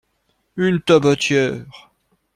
Une tabatière.